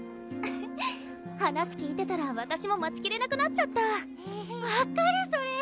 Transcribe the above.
フフッ話聞いてたらわたしも待ちきれなくなっちゃった分かるそれ！